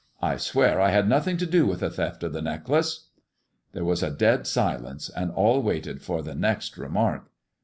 " I swear I had nothing to do mtt tlie theft of the necklace." There was a dead silence, and all waited for the next remark.